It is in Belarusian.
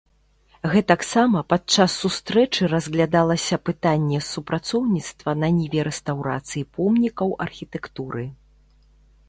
Гэтаксама падчас сустрэчы разглядалася пытанне супрацоўніцтва на ніве рэстаўрацыі помнікаў архітэктуры.